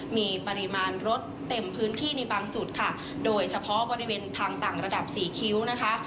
มีปริมาณรถเต็มพื้นที่ในบางจุดค่ะโดยเฉพาะบริเวณทางต่างระดับสี่คิ้วนะคะ